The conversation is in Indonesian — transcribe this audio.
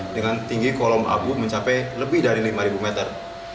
dengan tinggi kolom abu mencapai lebih dari lima meter